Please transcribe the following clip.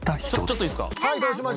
「ちょっといいですか？」